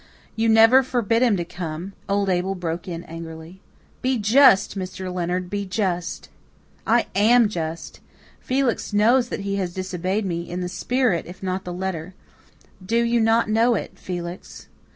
"You never forbid him to come," old Abel broke in angrily. "Be just, Mr. Leonard be just." "I AM just. Felix knows that he has disobeyed me, in the spirit if not in the letter. Do you not know it, Felix?"